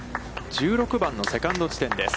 １６番のセカンド地点です。